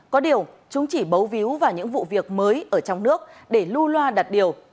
có điều chúng chỉ bấu víu vào những vụ việc mới ở trong nước để lưu loa đặt điều